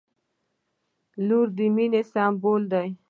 • لور د مینې سمبول دی.